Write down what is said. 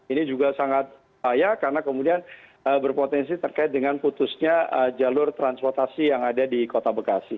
ini juga sangat bahaya karena kemudian berpotensi terkait dengan putusnya jalur transportasi yang ada di kota bekasi